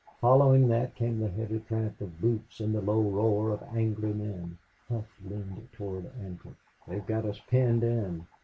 Following that came the heavy tramp of boots and the low roar of angry men. Hough leaned toward Ancliffe. "They've got us penned in."